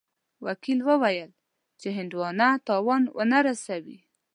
وکیل وویل چې هندوان تاوان ونه رسوي.